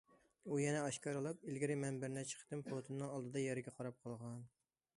ئۇ يەنە ئاشكارىلاپ، ئىلگىرى مەن بىر نەچچە قېتىم پۇتىننىڭ ئالدىدا يەرگە قاراپ قالغان.